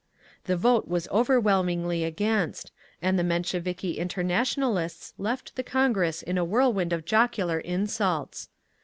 The vote was overwhelmingly against, and the Mensheviki Internationalists left the Congress in a Whirlwind of Jocular insults.